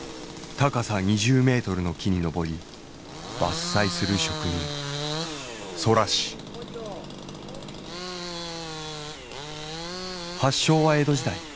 高さ２０メートルの木に登り伐採する職人発祥は江戸時代。